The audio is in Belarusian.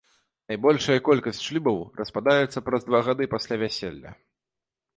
Найбольшая колькасць шлюбаў распадаецца праз два гады пасля вяселля.